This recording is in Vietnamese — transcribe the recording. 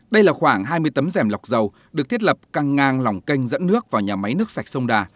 đây là khoảng hai mươi tấm dèm lọc dầu được thiết lập căng ngang lòng kênh dẫn nước vào nhà máy nước sạch sông đà